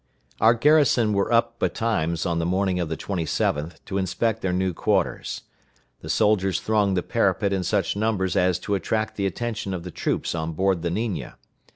Our garrison were up betimes on the morning of the 27th, to inspect their new quarters. The soldiers thronged the parapet in such numbers as to attract the attention of the troops on board the Niña.